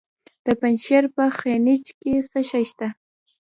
د پنجشیر په خینج کې څه شی شته؟